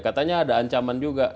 katanya ada ancaman juga